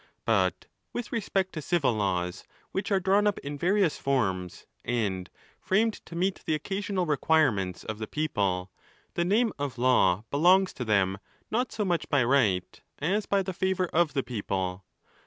But with respect to civil laws, which are drawn up in various forms, and framed to meet the occasional requirements of the people, the name of law belongs to them not so much by right as by the favour of the people.